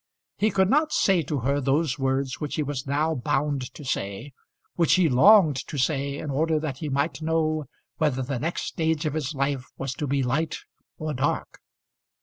He could not say to her those words which he was now bound to say; which he longed to say in order that he might know whether the next stage of his life was to be light or dark.